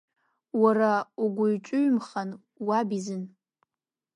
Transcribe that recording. Уара угәыҩ-ҿыҩмхан уаб изын.